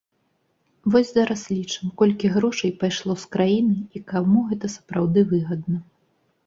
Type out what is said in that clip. Вось зараз лічым, колькі грошай пайшло з краіны і каму гэта сапраўды выгадна!